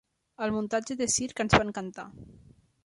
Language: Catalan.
El muntatge de circ ens va encantar.